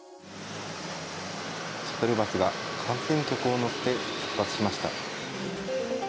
シャトルバスが観戦客を乗せて出発しました。